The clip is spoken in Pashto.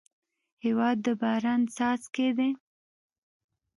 هېواد د باران څاڅکی دی.